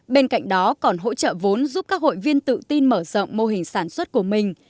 bên cạnh đó còn hỗ trợ vốn giúp các hội viên tự tin mở rộng mô hình sản xuất của mình